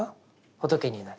仏になる。